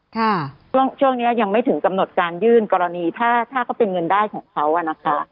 ช่วงนี้ยังไม่ถึงกำหนดการยื่นกรณีถ้าถ้าเขาเป็นเงินได้ของเขาอ่ะนะคะ